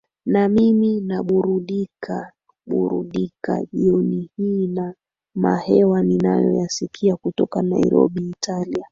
na mimi naburudikaburudika jioni hii na mahewa ninayoyasikia kutoka nairobi italia